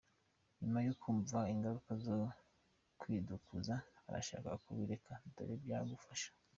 Nyuma yo kumva ingaruka zo kwitukuza, urashaka kubireka? Dore ibyagufasha.